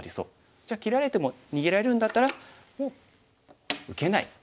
じゃあ切られても逃げられるんだったらもう受けない。